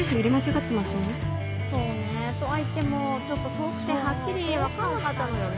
そうねえ。とは言ってもちょっと遠くてはっきり分かんなかったのよね